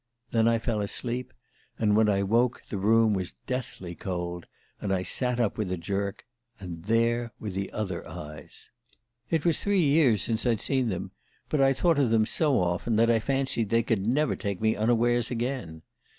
Then I fell asleep, and when I woke the room was deathly cold, and I sat up with a jerk and there were the other eyes ... "It was three years since I'd seen them, but I'd thought of them so often that I fancied they could never take me unawares again.